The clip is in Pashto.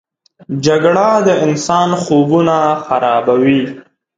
جګړه د انسان خوبونه خرابوي